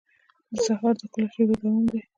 سهار د ښکلو شېبو دوام دی.